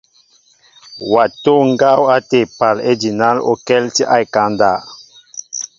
Wa tol ŋgaw ate épaal ejinaŋkɛltinɛ a ekaŋ ndáw.